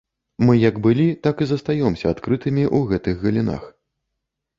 Мы як былі, так і застаёмся адкрытымі ў гэтых галінах.